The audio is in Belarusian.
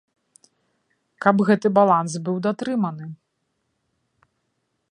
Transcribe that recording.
Каб гэты баланс быў датрыманы.